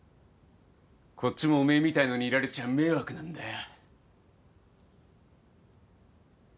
こっちもおめえみたいなのにいられちゃ迷惑なんだよ。